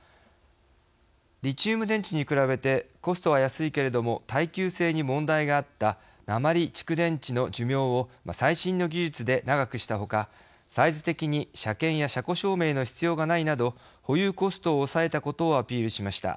リチウム電池に比べてコストは安いけれども耐久性に問題があった鉛蓄電池の寿命を最新の技術で長くした他サイズ的に車検や車庫証明の必要がないなど保有コストを抑えたことをアピールしました。